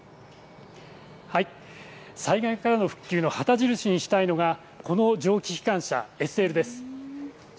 災害からの復旧の旗印にしたいのが、この蒸気機関車、ＳＬです。